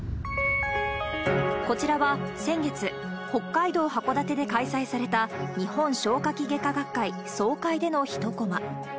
こちらは先月、北海道函館で開催された、日本消化器外科学会総会での一こま。